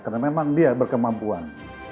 karena memang dia berkemampuan